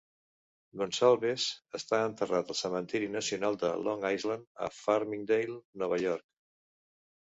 Gonsalves està enterrat al cementiri nacional de Long Island, a Farmingdale, Nova York.